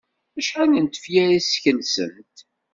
Acḥal n tefyar i skelsent?